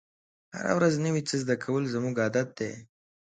هره ورځ نوی څه زده کول زموږ عادت دی.